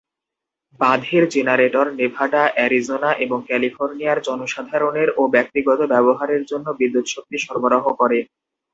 বাঁধের generator Nevada, Arizona এবং ক্যালিফোর্নিয়ার জনসাধারণের ও ব্যক্তিগত ব্যবহারের জন্য বিদ্যুৎ শক্তি সরবরাহ করে।